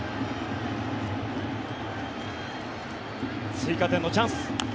追加点のチャンス。